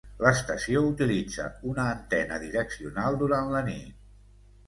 L'estació utilitza una antena direccional durant la nit.